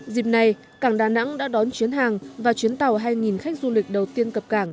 dịp này cảng đà nẵng đã đón chuyến hàng và chuyến tàu hai khách du lịch đầu tiên cập cảng